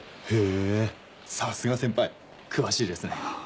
へぇさすが先輩詳しいですね。